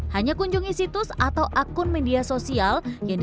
hanya kunjungi situs atau akun media sosial